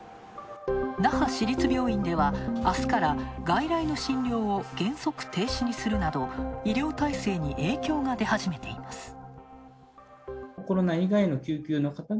那覇市立病院では、あすから外来の診療を原則停止にするなど医療体制に影響が出はじめています。